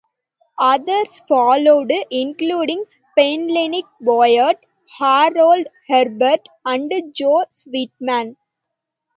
Others followed, including Penleigh Boyd, Harold Herbert and Jo Sweatman.